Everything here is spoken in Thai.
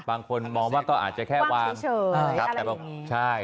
บางคนมองว่าก็อาจจะแค่ว่างคือเฉยอะไรอย่างงี้แหละครับใช่